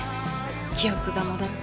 記憶が戻って。